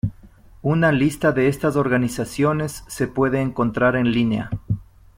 Una lista de estas organizaciones se puede encontrar en línea.